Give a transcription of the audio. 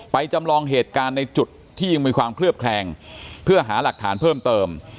จำลองเหตุการณ์ในจุดที่ยังมีความเคลือบแคลงเพื่อหาหลักฐานเพิ่มเติม